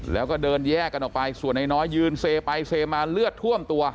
แล้วก็เดินแยกกันออกไปส่วนนายน้อยยืนเซไปเซมาเลือดท่วมตัว